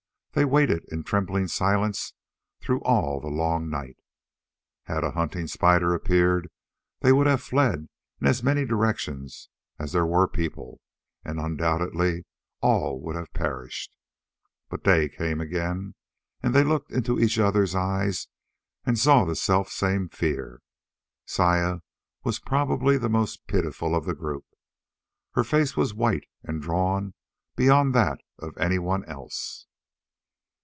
They waited in trembling silence through all the long night. Had a hunting spider appeared, they would have fled in as many directions as there were people, and undoubtedly all would have perished. But day came again, and they looked into each other's eyes and saw the self same fear. Saya was probably the most pitiful of the group. Her face was white and drawn beyond that of any one else.